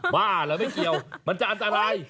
บ้าเหรอไม่เกี่ยวมันจะอันตราย